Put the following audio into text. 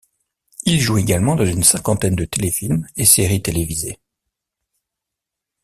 Il joue également dans une cinquantaine de téléfilms et séries télévisées.